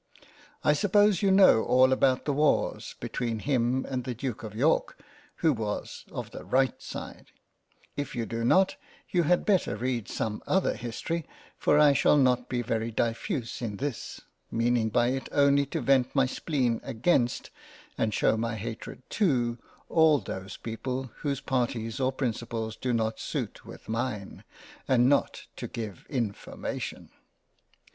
I suppose you know all about the Wars between him and the Duke of York who was of the right side ; if you do not, you had better read some other History, for I shall not be very diffuse in this, meaning by it only to vent my spleen against, and shew my Hatred to all those people whose parties or principles do not suit with mine, and not to give information.